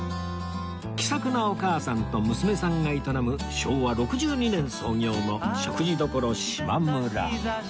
気さくなお母さんと娘さんが営む昭和６２年創業の食事処島村